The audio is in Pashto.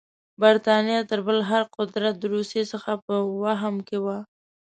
برټانیه تر بل هر قدرت د روسیې څخه په وهم کې وه.